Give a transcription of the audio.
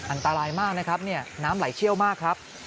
อันตรายมากนะครับน้ำไหลเชี่ยวมากครับ